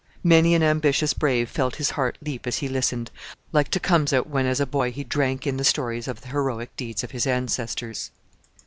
Many an ambitious brave felt his heart leap as he listened like Tecumseh when as a boy he drank in the stories of the heroic deeds of his ancestors.